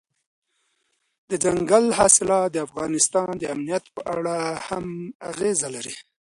دځنګل حاصلات د افغانستان د امنیت په اړه هم اغېز لري.